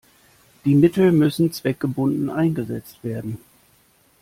Die Mittel müssen zweckgebunden eingesetzt werden.